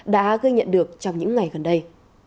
đã gây nhận được trong những ngày gần đây